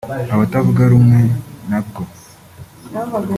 abatavuga rumwe nabwo